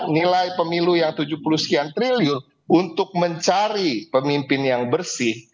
nilai pemilu yang tujuh puluh sekian triliun untuk mencari pemimpin yang bersih